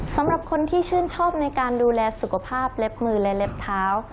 สำหรับคนที่ชื่นชอบในการดูแลสุขภาพเล็บมือและเล็บเท้า